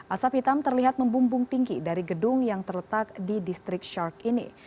asap hitam terlihat membumbung tinggi dari gedung yang terletak di distrik shark ini